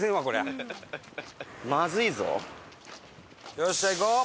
よっしゃ行こう！